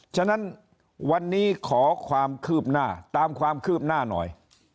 ฉะนั้นวันนี้ขอความคืบหน้าตามความคืบหน้าหน่อย